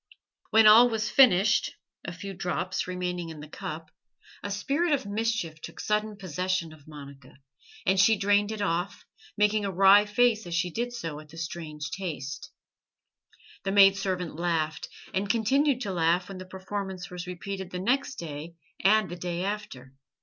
When all was finished, a few drops remaining in the cup, a spirit of mischief took sudden possession of Monica, and she drained it off, making a wry face as she did so at the strange taste. The maid servant laughed, and continued to laugh when the performance was repeated the next day and the day after.